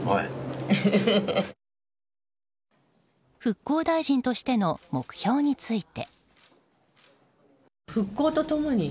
復興大臣としての目標について。